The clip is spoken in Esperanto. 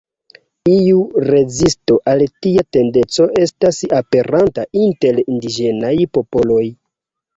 Iu rezisto al tia tendenco estas aperanta inter indiĝenaj popoloj.